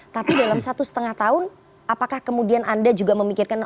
tapi dalam satu setengah tahun apakah kemudian anda juga memikirkan